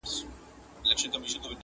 له زلمو شونډو موسكا ده كوچېدلې.!